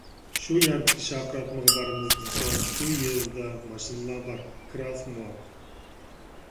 شۇ يەردىكى شارقىراتمىغا بارىمىز دېسە، شۇ يېزىدا ماشىنىلار بار، كىراسى مۇۋاپىق.